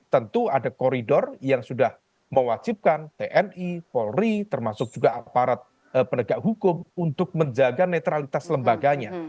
tentu ada koridor yang sudah mewajibkan tni polri termasuk juga aparat penegak hukum untuk menjaga netralitas lembaganya